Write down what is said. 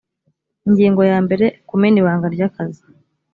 ingingo ya mbere kumena ibanga ry akazi